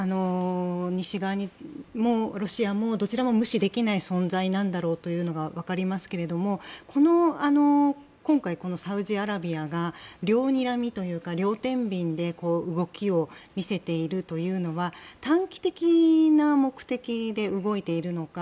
西側も、ロシアもどちらも無視できない存在なんだろうということが分かりますけれども今回、サウジアラビアが両にらみというか両てんびんで動きを見せているというのは短期的な目的で動いているのか。